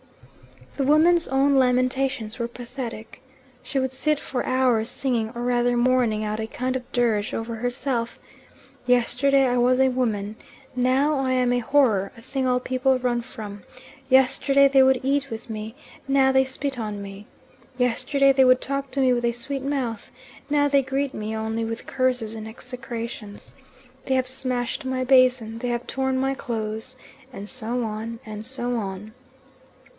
The woman's own lamentations were pathetic. She would sit for hours singing or rather mourning out a kind of dirge over herself: "Yesterday I was a woman, now I am a horror, a thing all people run from. Yesterday they would eat with me, now they spit on me. Yesterday they would talk to me with a sweet mouth, now they greet me only with curses and execrations. They have smashed my basin, they have torn my clothes," and so on, and so on.